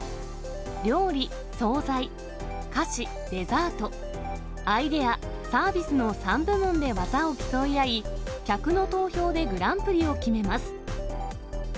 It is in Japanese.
料理・総菜、菓子・デザート、アイデア・サービスの３部門で技を競い合い、客の投票でグランプリを決めます。